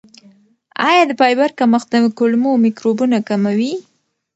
آیا د فایبر کمښت د کولمو میکروبونه کموي؟